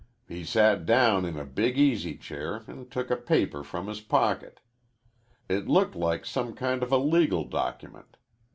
He sat down in a big easy chair an' took a paper from his pocket. It looked like some kind of a legal document.